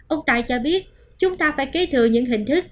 ông tài cho biết chúng ta phải kế thừa những hình thức